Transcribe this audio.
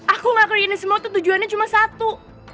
aku ngakurin ini semua tuh tujuannya cuma satu